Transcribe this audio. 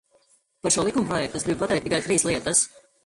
Par šo likumprojektu es gribu pateikt tikai trīs lietas.